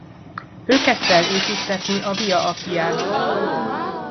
Ő kezdte el építtetni a Via Appiát.